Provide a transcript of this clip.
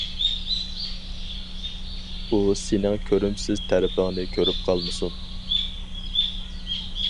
ئۇ سېنىڭ كۆرۈمسىز تەرىپىڭنى كۆرۈپ قالمىسۇن.